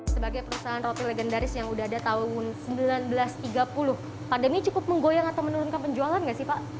sebagai perusahaan roti legendaris yang udah ada tahun seribu sembilan ratus tiga puluh pandemi cukup menggoyang atau menurunkan penjualan nggak sih pak